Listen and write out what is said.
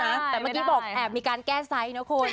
แต่เมื่อกี้บอกแอบมีการแก้ไซส์นะคุณ